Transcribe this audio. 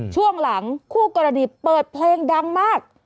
ช่วงหลังคู่กรณีเปิดเพลงดังมาก